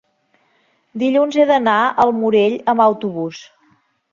dilluns he d'anar al Morell amb autobús.